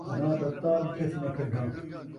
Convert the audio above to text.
ناں تتا ݙٹھس ناں ٹھڈا